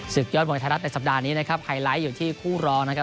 ยอดมวยไทยรัฐในสัปดาห์นี้นะครับไฮไลท์อยู่ที่คู่รองนะครับ